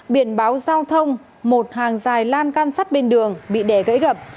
biển báo giao thông một hàng dài lan can sắt bên đường bị đẻ gãy gập